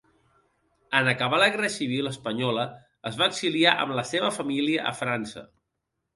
En acabar la guerra civil espanyola es va exiliar amb la seva família a França.